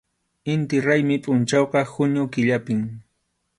Inti raymi pʼunchawqa junio killapim.